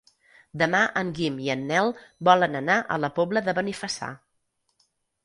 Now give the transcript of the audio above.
Demà en Guim i en Nel volen anar a la Pobla de Benifassà.